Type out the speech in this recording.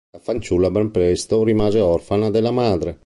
La fanciulla ben presto rimase orfana della madre.